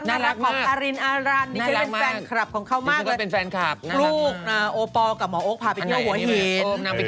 ของอารินอารันนี่เคยเป็นแฟนคลับของเขามากเลย